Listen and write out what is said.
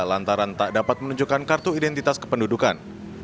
lantaran tak dapat menunjukkan kartu identitas kependudukan